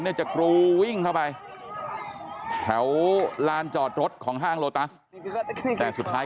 จะกรูวิ่งเข้าไปแถวลานจอดรถของห้างโลตัสแต่สุดท้าย